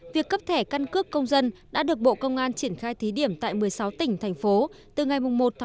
việc cấp thẻ căn cước công dân đã được bộ công an triển khai thí điểm tại một mươi sáu tỉnh thành phố từ ngày một một hai nghìn một mươi sáu